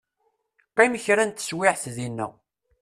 Qqim kra n tewiɛt dina.